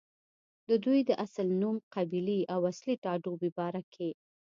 ددوي د اصل نوم، قبيلې او اصلي ټاټوبې باره کښې